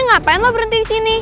ngapain lo berhenti disini